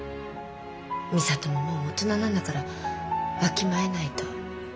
美里ももう大人なんだからわきまえないと。